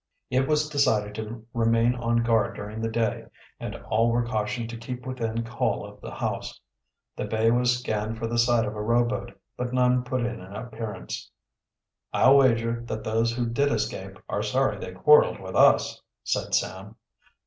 It was decided to remain on guard during the day, and all were cautioned to keep within call of the house. The bay was scanned for the sight of a rowboat, but none put in an appearance. "I'll wager that those who did escape are sorry they quarreled with us," said Sam.